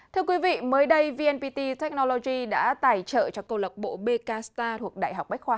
thưa quý vị mới đây vnpt technology đã tài trợ cho câu lạc bộ bk star thuộc đại học bách khoa hà nội